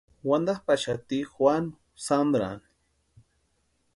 Wantapʼaxati Juanu Sandrani.